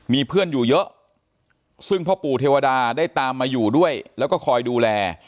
มีเพื่อนอยู่เยอะซึ่งพ่อปู่เทวดาได้ตามมาอยู่ด้วยแล้วก็คอยดูแล